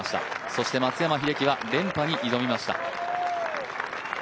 そして松山英樹は連覇に挑みました。